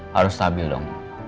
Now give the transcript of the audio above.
harus stabil dong